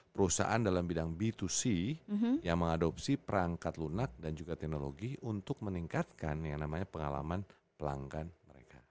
perusahaan dalam bidang b dua c yang mengadopsi perangkat lunak dan juga teknologi untuk meningkatkan yang namanya pengalaman pelanggan mereka